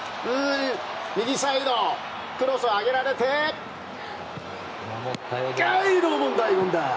右サイド、クロスを上げられてノー問題！